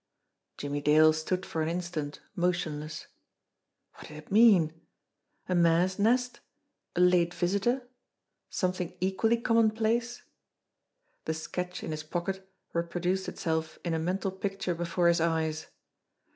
Jimmie Dale stood for an instant motionless. What did it wiean ? A mare's nest ? A late visitor ? Something equally commonplace? The sketch in his pocket reproduced itself in a mental picture before his eyes.